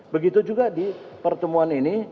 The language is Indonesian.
begitu juga di pertemuan ini